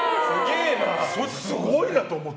すごいなと思って。